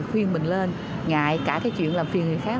khuyên mình lên ngại cả cái chuyện làm phiền người khác